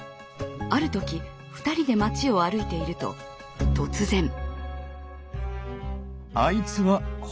ある時２人で街を歩いていると突然。